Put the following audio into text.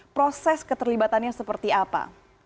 proses keterlibatannya seperti apa